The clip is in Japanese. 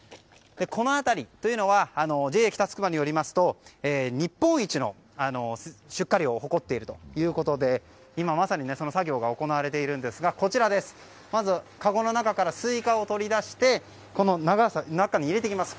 この当たりというのはＪＡ北つくばによりますと日本一の出荷量を誇っているということで今まさに、その作業が行われているんですがまずかごの中からスイカを取り出して中に入れていきます。